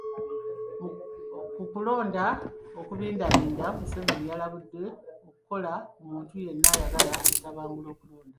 Ku kulonda okubindabinda, Museveni yalabudde okukola ku muntu yenna ayagala okutabangula okulonda.